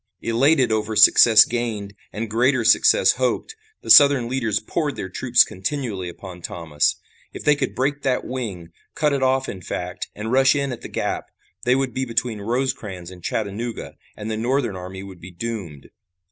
Elated over success gained and greater success hoped, the Southern leaders poured their troops continually upon Thomas. If they could break that wing, cut it off in fact, and rush in at the gap, they would be between Rosecrans and Chattanooga and the Northern army would be doomed.